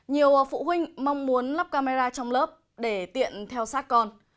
nhiều phụ huynh mong muốn lắp camera trong lớp để tiện theo sát con